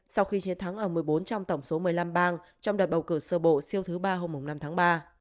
sau khi chiến thắng ở một mươi bốn trong tổng số một mươi năm bang trong đợt bầu cử sơ bộ siêu thứ ba hôm năm tháng ba